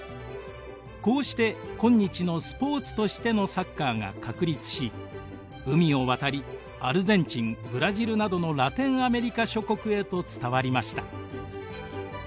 こうして今日のスポーツとしてのサッカーが確立し海を渡りアルゼンチンブラジルなどのラテンアメリカ諸国へと伝わりました。